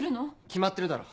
決まってるだろ